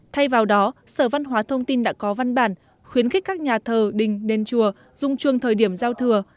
thay vào đó sở văn hóa thông tin đã có văn bản khuyến khích các nhà thờ đình đền chùa dung chuông thời điểm giao thừa